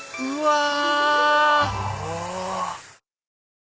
うわ！